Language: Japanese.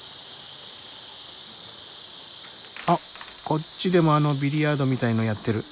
あっこっちでもあのビリヤードみたいのやってる。